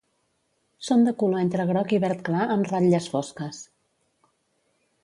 Són de color entre groc i verd clar amb ratlles fosques.